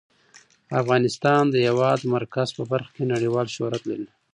افغانستان د د هېواد مرکز په برخه کې نړیوال شهرت لري.